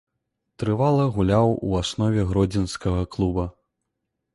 Трывала гуляў у аснове гродзенскага клуба.